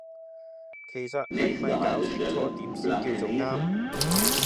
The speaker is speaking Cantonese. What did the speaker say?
其實係咪攪清楚點先叫做啱